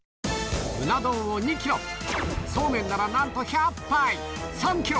うな丼を２キロ、そうめんならなんと１００杯、３キロ。